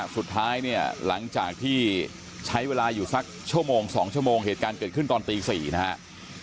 สุดท้ายเนี่ยหลังจากที่ใช้เวลาอยู่สักชั่วโมง๒ชั่วโมงเหตุการณ์เกิดขึ้นตอนตี๔นะครับ